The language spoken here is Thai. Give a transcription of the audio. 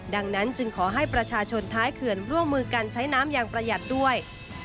ดังนั้นจึงขอให้ประชาชนท้ายเขื่อนร่วมมือกันใช้น้ำอย่างประหยัดด้วย